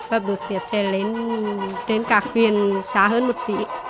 và bước tiếp sẽ đến cả khuyền xa hơn một tỷ